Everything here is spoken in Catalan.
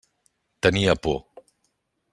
Tenia por.